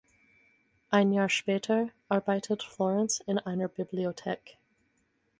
Ein Jahr später arbeitet Florence in einer Bibliothek.